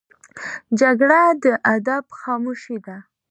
جګړه د ادب خاموشي ده